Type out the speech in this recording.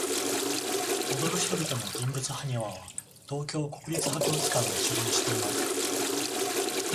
踊る人々の人物埴輪は、東京国立博物館が所蔵しています。